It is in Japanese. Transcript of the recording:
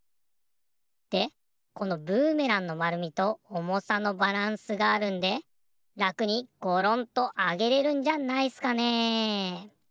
でこのブーメランのまるみとおもさのバランスがあるんでらくにゴロンとあげれるんじゃないっすかね。